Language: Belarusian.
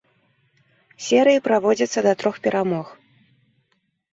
Серыі праводзяцца да трох перамог.